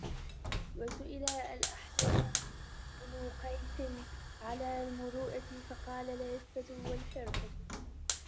وَسُئِلَ الْأَحْنَفُ بْنُ قَيْسٍ عَنْ الْمُرُوءَةِ فَقَالَ الْعِفَّةُ وَالْحِرْفَةُ